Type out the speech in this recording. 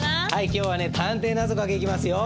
今日は探偵なぞかけいきますよ。